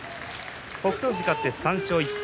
北勝富士、勝って３勝１敗。